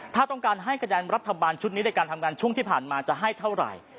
ถ้าต้องการให้คะแนนรัฐบาลชุดนี้ในการทำงานช่วงที่ผ่านมาจะให้เท่าไหร่